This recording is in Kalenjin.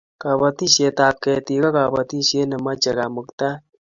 kabatishiet ab ketik ko kabatishiet ne mache kamuktaet